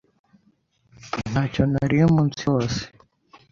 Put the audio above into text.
Ntacyo nariye umunsi wose.